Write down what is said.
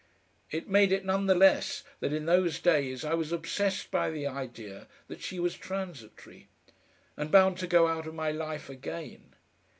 It made it none the less, that in those days I was obsessed by the idea that she was transitory, and bound to go out of my life again.